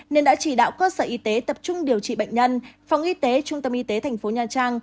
nên đã chỉ đạo cơ sở y tế tập trung điều trị bệnh nhân phòng y tế trung tâm y tế thành phố nha trang